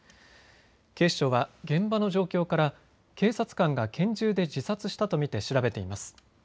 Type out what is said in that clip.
警視庁は現場の状況から警察官が拳銃で自殺したと見て調べています。